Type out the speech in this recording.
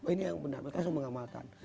ini yang benar mereka harus mengamalkan